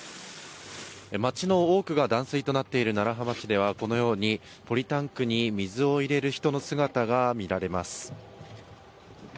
町の多くが断水となっている楢葉町ではこのようにポリタンクに水を入れる人の姿が見られます。